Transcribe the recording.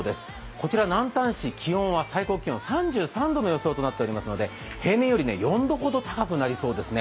こちら南丹市、気温は最高気温３３度の予想となっていますので、平年より４度ほど高くなりそうですね。